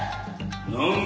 なんだ？